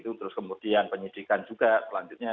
terus kemudian penyidikan juga selanjutnya